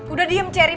udah diem ceri